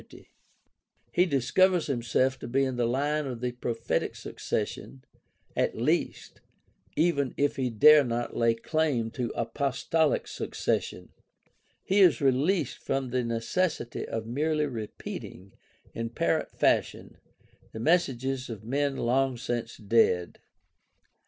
158 GUIDE TO STUDY OF CHRISTIAN RELIGION He discovers himself to be in the line of the prophetic suc cession, at least, even if he dare not lay claim to "apostolic succession." He is released from the necessity of merely repeating, in parrot fashion, the messages of men long since dead.